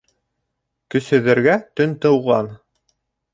Көсһөҙҙәргә төн тыуған.